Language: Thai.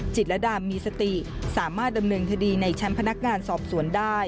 จิตรดามีสติสามารถดำเนินคดีในชั้นพนักงานสอบสวนได้